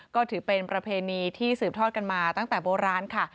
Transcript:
ก็ถือเป็นประเพณีที่สืบทอดกันมาตั้งแต่โบราณค่ะ